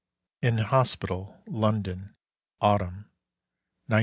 IN HOSPITAL, LONDON, Autumn, 1915.